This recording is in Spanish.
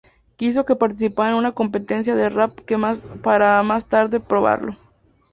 Quiso que participara en una competición de rap para más tarde probarlo.